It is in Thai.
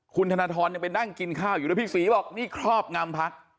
คุณธนทรยังไปนั่งกินข้าวอยู่ด้วยพี่ศรีบอกนี่ครอบงำพัก